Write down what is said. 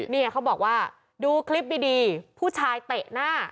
เนี่ยเขาบอกว่าดูคลิปดีผู้ชายเตะหน้า